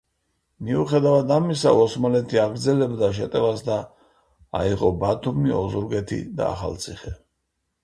მიუხედავად ამისა, ოსმალეთი აგრძელებდა შეტევას და აიღო ბათუმი, ოზურგეთი და ახალციხე.